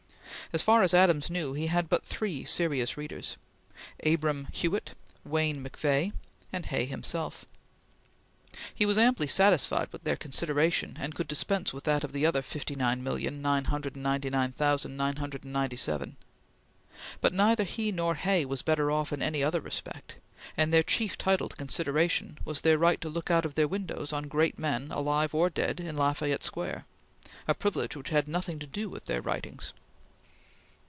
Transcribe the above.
As far as Adams knew, he had but three serious readers Abram Hewitt, Wayne McVeagh, and Hay himself. He was amply satisfied with their consideration, and could dispense with that of the other fifty nine million, nine hundred and ninety nine thousand, nine hundred and ninety seven; but neither he nor Hay was better off in any other respect, and their chief title to consideration was their right to look out of their windows on great men, alive or dead, in La Fayette Square, a privilege which had nothing to do with their writings.